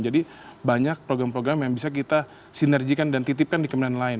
banyak program program yang bisa kita sinergikan dan titipkan di kementerian lain